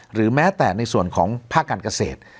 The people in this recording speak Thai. หรือแม้แต่ในส่วนของภาคการเกษตร